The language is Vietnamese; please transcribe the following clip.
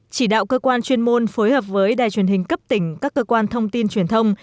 chỉ đạo cơ quan chuyên môn phối hợp với đài truyền hình cấp tỉnh các cơ quan thông tin truyền thông